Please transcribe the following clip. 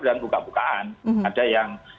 dan buka bukaan ada yang